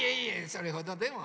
それほどでも。